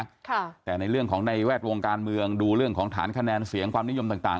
ค่ะแต่ในเรื่องของในแวดวงการเมืองดูเรื่องของฐานคะแนนเสียงความนิยมต่างต่าง